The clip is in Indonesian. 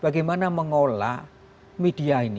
bagaimana mengolah media ini